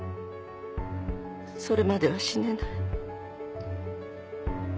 それまでは死ねない